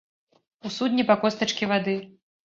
У судне па костачкі вады.